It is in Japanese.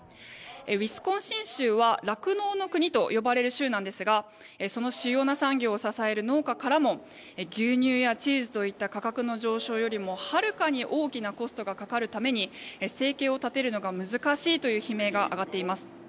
ウィスコンシン州は酪農の国と呼ばれる州なんですがその主要な産業を支える農家からも牛乳やチーズといった価格の上昇よりもはるかに大きなコストがかかるために生計を立てるのが難しいという悲鳴が上がっています。